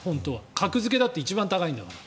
格付けだって一番高いんだから。